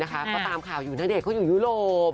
ก็ตามข่าวอยู่ณเดชนเขาอยู่ยุโรป